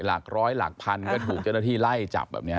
หลักร้อยหลักพันก็ถูกเจ้าหน้าที่ไล่จับแบบนี้